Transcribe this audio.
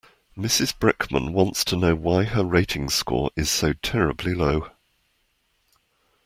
Mrs Brickman wants to know why her rating score is so terribly low.